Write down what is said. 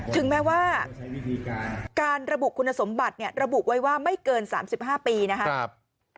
ถึงแม้ว่าการระบุคุณสมบัติเนี่ยระบุไว้ว่าไม่เกิน๓๕ปีนะครับ